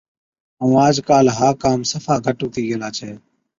ائُون آج ڪاله ها ڪام صفا گھٽ هُتِي گيلا ڇَي،